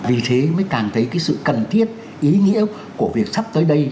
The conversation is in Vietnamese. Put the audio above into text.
vì thế mới càng thấy cái sự cần thiết ý nghĩa của việc sắp tới đây